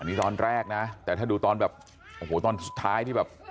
นี่ตอนแรกนะแต่ถ้าดูตอนแบบโอ้โหตอนสุดท้ายที่แบบ